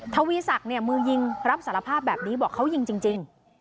ทวีศักดิ์เนี่ยมือยิงรับสารภาพแบบนี้บอกเขายิงจริง